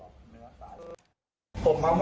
คุณตำรวจจับผมหน่อยผมสูบกัญชามา